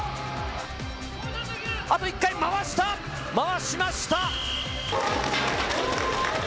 あと１回回した、回しました。